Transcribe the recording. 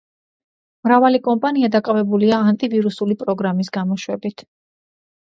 მრავალი კომპანია დაკავებულია ანტივირუსული პროგრამის გამოშვებით.